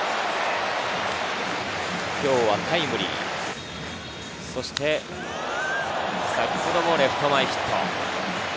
今日はタイムリー、そして先ほどのレフト前ヒット。